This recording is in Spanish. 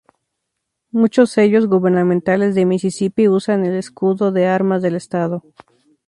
Muchos sellos gubernamentales de Misisipí usan el escudo de armas del estado.